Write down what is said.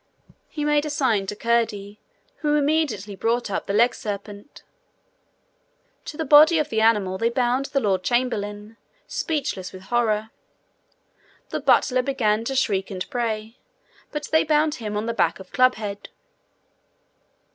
He made a sign to Curdie, who immediately brought up the legserpent. To the body of the animal they bound the lord chamberlain, speechless with horror. The butler began to shriek and pray, but they bound him on the back of Clubhead.